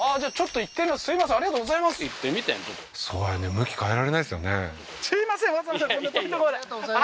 向き変えられないですよね